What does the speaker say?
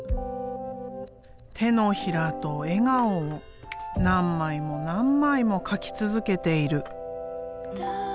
手のひらと笑顔を何枚も何枚も描き続けている。